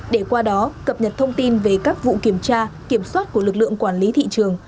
để qua đó cập nhật thông tin về các vụ kiểm tra kiểm soát của lực lượng quản lý thị trường